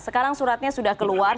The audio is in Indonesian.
sekarang suratnya sudah keluar